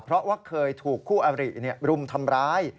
เพราะว่าเคยถูกคู่อบริรุมทำร้าย